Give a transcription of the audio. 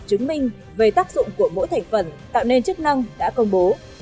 các thành phần tạo nên chức năng đã công bố